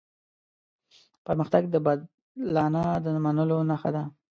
پرمختګ د بدلانه د منلو نښه ده.